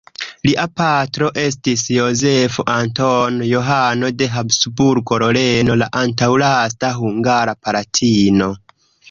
Lia patro estis Jozefo Antono Johano de Habsburgo-Loreno, la antaŭlasta hungara palatino.